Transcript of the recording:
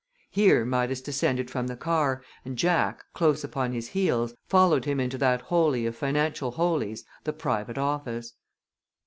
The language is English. Here Midas descended from the car, and Jack, close upon his heels, followed him into that holy of financial holies, the private office.